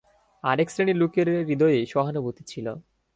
আর এক শ্রেণীর লোকের হৃদয়ে সহানুভূতি ছিল।